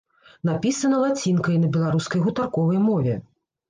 Напісана лацінкай на беларускай гутарковай мове.